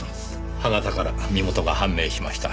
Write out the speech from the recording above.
歯型から身元が判明しました。